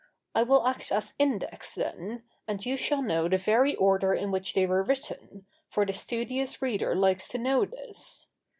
I will act as index then, and you shall know the very order in which they were written, for the studious reader likes to know this.